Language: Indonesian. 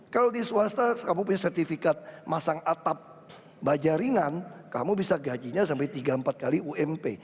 kalau di swasta kamu punya sertifikat masang atap baja ringan kamu bisa gajinya sampai tiga empat kali ump